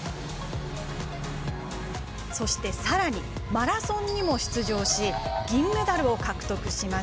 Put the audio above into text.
そしてさらにマラソンにも出場し銀メダルを獲得しました。